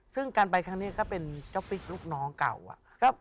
ซึ่งการไปครั้งนี้ก็เป็นเจ้าฟิกลูกน้องเก่าอะ